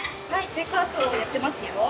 テイクアウトやってますよ。